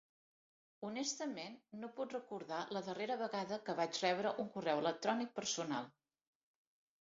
Honestament no puc recordar la darrera vegada que vaig rebre un correu electrònic personal.